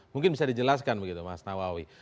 mungkin bisa dijelaskan begitu mas nawawi